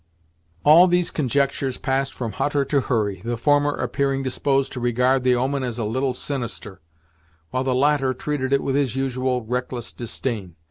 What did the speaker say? All these conjectures passed from Hutter to Hurry, the former appearing disposed to regard the omen as a little sinister, while the latter treated it with his usual reckless disdain.